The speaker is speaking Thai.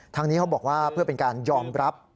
นี้เขาบอกว่าเพื่อเป็นการยอมรับ